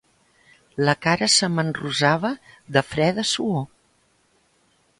La cara se m'enrosava de freda suor.